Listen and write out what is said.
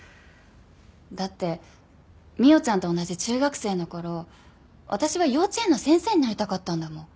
だって未央ちゃんと同じ中学生の頃私は幼稚園の先生になりたかったんだもん。